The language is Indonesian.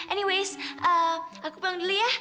anyways aku bang dulu ya